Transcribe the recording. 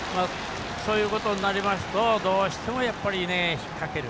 そういうことになりますとどうしても引っ掛ける。